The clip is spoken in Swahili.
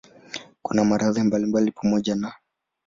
Kuna maradhi mbalimbali pamoja na